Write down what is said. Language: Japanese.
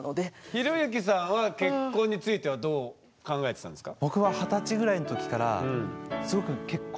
寛之さんは結婚についてはどう考えてたんですか？